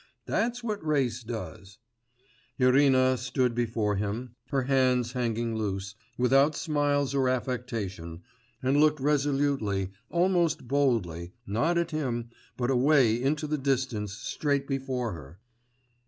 That's what race does!' Irina stood before him, her hands hanging loose, without smiles or affectation, and looked resolutely, almost boldly, not at him, but away into the distance straight before her.